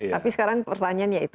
tapi sekarang pertanyaannya itu